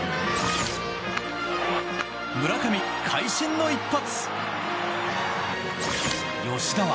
村上、会心の一発。